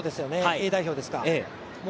Ａ代表ですか。